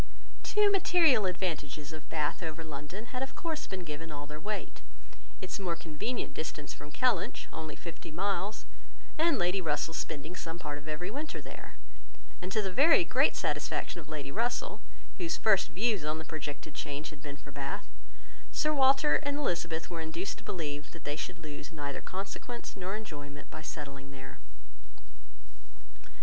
Two material advantages of Bath over London had of course been given all their weight: its more convenient distance from Kellynch, only fifty miles, and Lady Russell's spending some part of every winter there; and to the very great satisfaction of Lady Russell, whose first views on the projected change had been for Bath, Sir Walter and Elizabeth were induced to believe that they should lose neither consequence nor enjoyment by settling there.